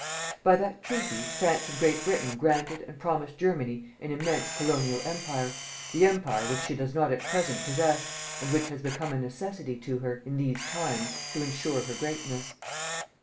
"By that treaty, France and Great Britain granted and promised Germany an immense colonial empire, the empire which she does not at present possess and which has become a necessity to her, in these times, to ensure her greatness."